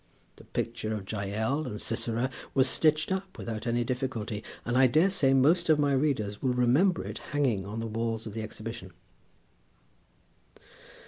The picture of Jael and Sisera was stitched up without any difficulty, and I daresay most of my readers will remember it hanging on the walls of the exhibition.